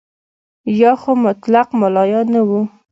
یا خو مطلق ملایان نه وو.